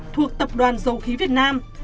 thuộc tập đoàn dầu khí việt nam